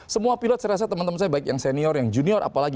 semua pilot saya rasa teman teman saya baik yang senior yang junior apalagi